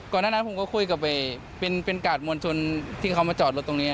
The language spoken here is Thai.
หน้านั้นผมก็คุยกับเป็นกาดมวลชนที่เขามาจอดรถตรงนี้